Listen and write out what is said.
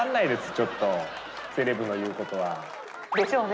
ちょっとセレブの言うことは。でしょうね！